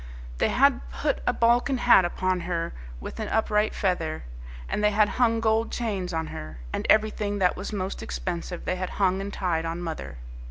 They had put a Balkan hat upon her with an upright feather, and they had hung gold chains on her, and everything that was most expensive they had hung and tied on mother.